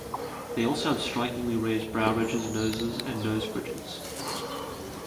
They also have strikingly raised brow ridges, noses, and nose bridges.